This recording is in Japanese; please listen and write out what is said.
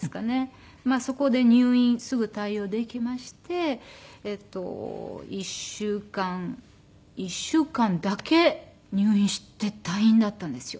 まあそこで入院すぐ対応できまして１週間１週間だけ入院して退院だったんですよ。